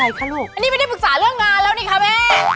แม่ค่ะอะไรคะลูกอันนี้ไม่ได้ปรึกษาเรื่องงานแล้วนี่คะแม่